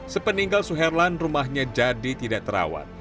sepeninggal suherlan rumahnya jadi tidak terawat